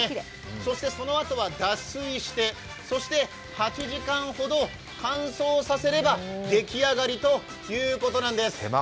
そしてそのあとは脱水して８時間ほど乾燥させれば出来上がりということです。